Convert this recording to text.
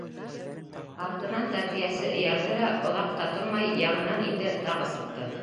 Артынан тәрбиәсе эйәрҙе лә, оҙаҡ та тормай яңынан инде, тағы сыҡты.